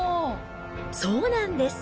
そうなんです。